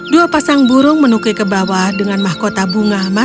dua pasang burung menukik ke bawah dengan mahkota bunga